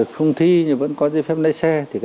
không thi nhưng vẫn có dự phép lái xe